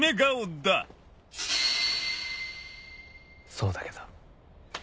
そうだけど。